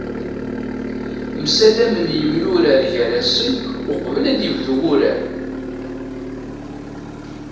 Msalamen yemyurar gar-asen uqbel ad ibdu wurar.